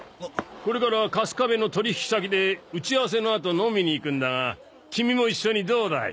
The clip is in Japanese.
これから春我部の取引先で打ち合わせのあと飲みに行くんだがキミも一緒にどうだい？